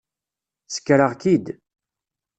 Sekreɣ-k-id.